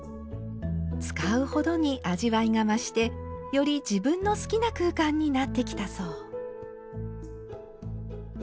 使うほどに味わいが増してより自分の好きな空間になってきたそう。